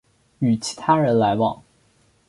与其他人来往